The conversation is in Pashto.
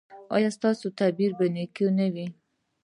ایا ستاسو تعبیر به نیک نه وي؟